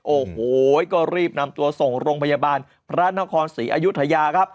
โอ้โหก็รีบนำตัวส่งโรงพยาบาลพระนครศรีอยุธยาครับ